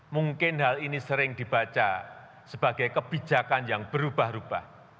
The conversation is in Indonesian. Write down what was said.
mungkin hal ini sering dibaca sebagai kebijakan yang berubah ubah